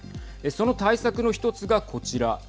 その対策の１つがこちら。